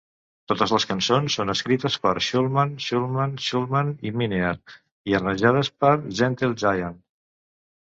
Totes les cançons són escrites per Shulman, Shulman, Shulman i Minnear i arranjades per Gentle Giant.